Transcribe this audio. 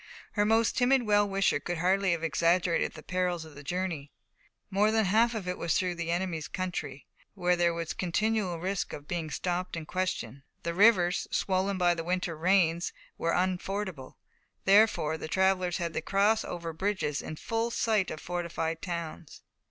Her most timid well wisher could hardly have exaggerated the perils of the journey. More than half of it was through the enemy's country, where there was continual risk of being stopped and questioned. The rivers, swollen by the winter rains, were unfordable; therefore the travellers had to cross over bridges in full sight of fortified towns.